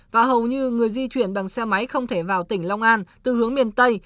và hầu như người di chuyển bằng xe máy không thể vào tỉnh lâm đồng từ hướng miền tây